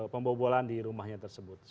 pembobolan di rumahnya tersebut